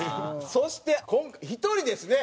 そして１人ですね。